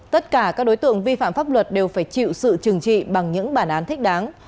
tất cả các đối tượng vi phạm pháp luật đều phải chịu sự trừng trị bằng những bản án thích đáng